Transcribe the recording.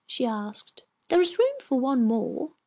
she asked. "There is room for one more."